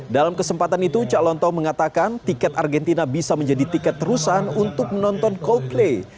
dalam kesempatan itu cak lontong mengatakan tiket argentina bisa menjadi tiket terusan untuk menonton coldplay